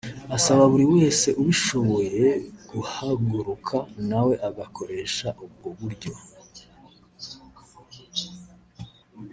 asaba buri wese ubishoboye guhaguruka nawe agakoresha ubwo buryo